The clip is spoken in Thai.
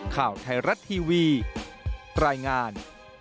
ข่าวไทยรัฐทีวีรายงาน